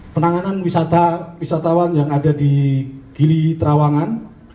penanganan wisata wisatawan yang ada di gili trawangan